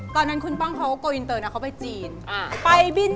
ตอนนั้นคุณป้องเขาก็โกอินเตอร์นะเขาไปจีน